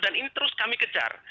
dan ini terus kami kejar